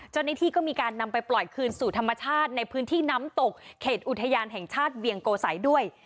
เจ้าหน้าที่ก็มีการนำไปปล่อยคืนสู่ธรรมชาติในพื้นที่น้ำตกเขตอุทยานแห่งชาติเวียงโกสัยด้วย